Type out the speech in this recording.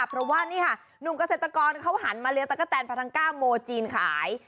เพราะว่านี่ค่ะหนุ่มเกษตรกรเขาหันมาเลี้ยตะกะแตนพทังก้าโมจีนขาย